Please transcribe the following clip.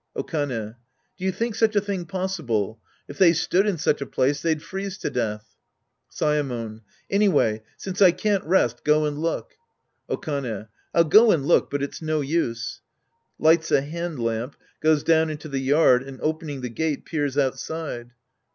Okane. Do you think such a thing possible ? If they stood in such a place, they'd freeze to death. Saemon. Anyway, since I can't rest, go and look. Okane. I'll go and look, but it's no use. {Lights a hand lamp, goes down into the yard and, opening the gate, peers outside.)